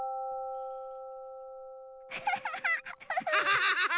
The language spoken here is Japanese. ハハハハハ！